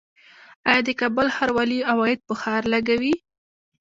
آیا د کابل ښاروالي عواید په ښار لګوي؟